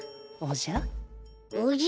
おじゃ？